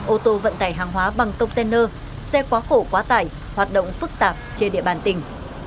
ô tô vận tải hàng hóa bằng container xe quá khổ quá tải hoạt động phức tạp trên địa bàn tỉnh